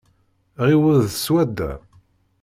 Ɛiwed swadda.